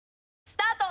スタート！